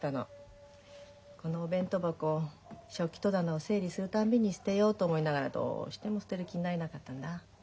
このお弁当箱食器戸棚を整理する度に捨てようと思いながらどうしても捨てる気になれなかったんだ。